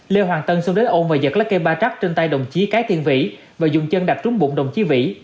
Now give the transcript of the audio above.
lê hoàng tân xông đến ôn và giật lấy cây ba trắc trên tay đồng chí cái thiên vĩ và dùng chân đạp trúng bụng đồng chí vĩ